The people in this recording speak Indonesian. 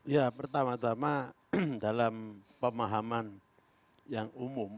ya pertama tama dalam pemahaman yang umum